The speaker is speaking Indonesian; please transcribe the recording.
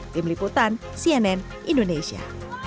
tim liputan cnn indonesia